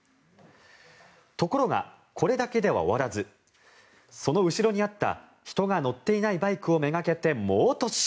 ところがこれだけでは終わらずその後ろにあった人が乗っていないバイクをめがけて猛突進。